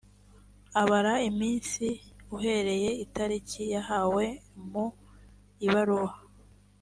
abara iminsi uhereye itariki yahawe mu ibaruwa.